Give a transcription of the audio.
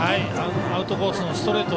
アウトコースのストレート